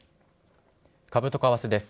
株と為替です。